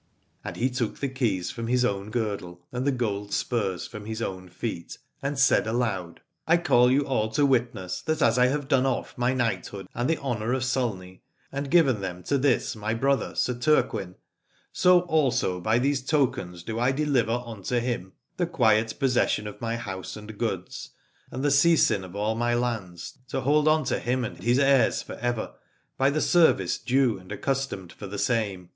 And he took the keys from his own girdle and the gold spurs from his own feet, and said aloud : I call you all to witness that as I have done off my knight hood and the Honour of Sulney, and given them to this my brother Sir Turquin, so also by these tokens do I deliver unto him 4 Alad ore the quiet possession of my house and goods and the seisin of all my lands, to hold unto him and his heirs for ever, by the service due and accustomed for the same.